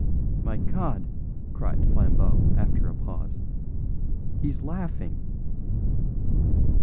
"My God!" cried Flambeau after a pause, "he's laughing!"